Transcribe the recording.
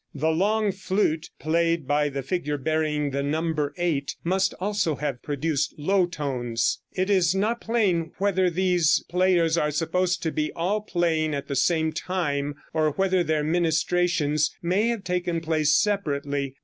The long flute played by the figure bearing the number 8 must also have produced low tones. It is not plain whether these players are supposed to be all playing at the same time, or whether their ministrations may have taken place separately.